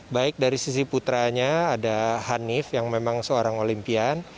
baik dari sisi putranya ada hanif yang memang seorang olimpian